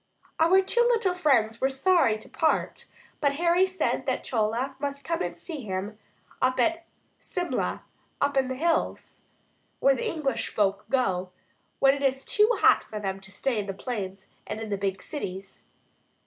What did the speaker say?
Our two little friends were sorry to part, but Harry said that Chola must come and see him at Simla, up in the hills, where the English folk go when it gets too hot for them to stay in the plains and in the big cities.